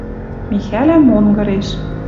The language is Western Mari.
Михӓлӓн монгыреш